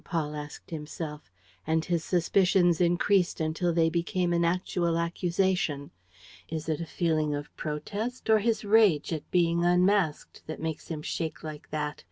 Paul asked himself; and his suspicions increased until they became an actual accusation. "Is it a feeling of protest or his rage at being unmasked that makes him shake like that?